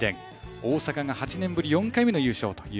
大阪が８年ぶり４回目の優勝。